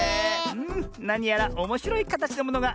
なにやらおもしろいかたちのものがでてきたね。